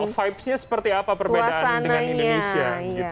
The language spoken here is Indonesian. vibes nya seperti apa perbedaan dengan indonesia